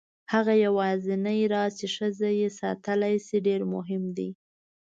هغه یوازینی راز چې ښځه یې ساتلی شي ډېر مهم دی.